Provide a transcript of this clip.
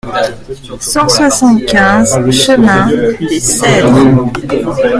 cent soixante-quinze chemin des Cedres